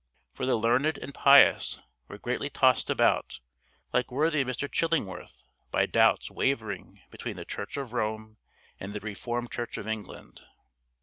For the learned and pious were greatly tossed about, like worthy Mr. Chillingworth, by doubts wavering between the Church of Rome and the Reformed Church of England.